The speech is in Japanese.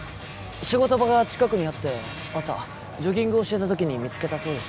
仕事場が近くにあって朝ジョギングをしてた時に見つけたそうです